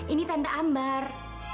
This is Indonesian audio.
ini tante ambar